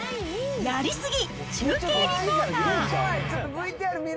やり過ぎ中継リポーター。